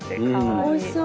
おいしそう。